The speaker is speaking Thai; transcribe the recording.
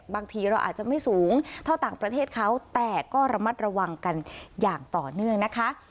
บางทีเราอาจจะไม่สูงเท่าต่างประเทศเขาแต่ก็ระมัดระวังกันอย่างต่อเนื่องนะคะ